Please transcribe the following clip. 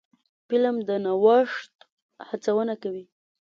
فلم د نوښت هڅونه کوي